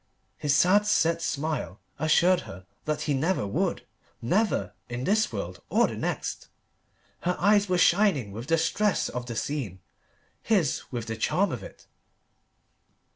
His sad, set smile assured her that he never would never, in this world or the next. Her eyes were shining with the stress of the scene: his with the charm of it.